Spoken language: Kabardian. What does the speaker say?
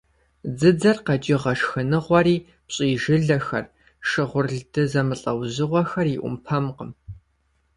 Дзыдзэр къэкӀыгъэ шхыныгъуэри - пщӀий жылэхэр, шыгъурлды зэмылӀэужьыгъуэхэр - и Ӏумпэмкъым.